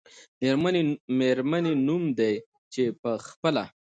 میرمنې نوم دی، چې په خپله